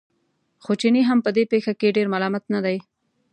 خو چینی هم په دې پېښه کې ډېر ملامت نه دی.